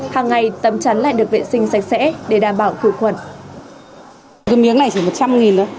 hàng ngày tấm chắn lại được vệ sinh sạch sẽ để đảm bảo khử khuẩn